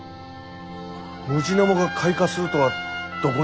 ムジナモが開花するとはどこにも。